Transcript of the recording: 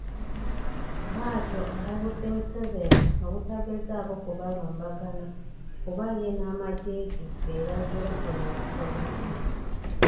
Bw'atyo alabudde Museveni obutagezaako kubalumbagana kuba ye n'amagye ge be bazze bakola ebikolwa bino.